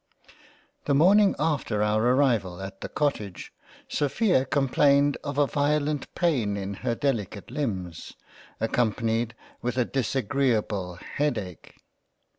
The morning after 6ur arrival at the Cottage, Sophia complained of a violent pain in her delicate limbs, accompanied with a disagreable Head ake.